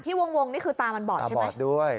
ที่วงนี่คือตามันบอดใช่ไหมตามันบอดด้วย